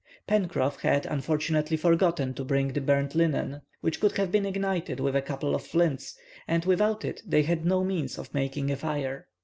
Pencroff had, unfortunately, forgotten to bring the burnt linen, which could have been ignited with a couple of flints, and without it they had no means of making a fire.